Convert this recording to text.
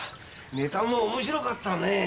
ネタも面白かったねぇ。